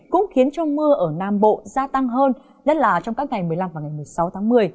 cũng khiến cho mưa ở nam bộ gia tăng hơn nhất là trong các ngày một mươi năm và ngày một mươi sáu tháng một mươi